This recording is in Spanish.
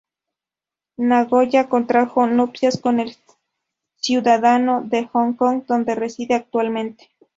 Nagoya contrajo nupcias con un ciudadano de Hong Kong, donde reside actualmente.